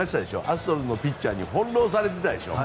アストロズのピッチャーに翻ろうされてたでしょ。